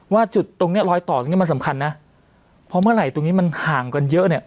ว่าจุดตรงเนี้ยรอยต่อตรงนี้มันสำคัญนะเพราะเมื่อไหร่ตรงนี้มันห่างกันเยอะเนี่ย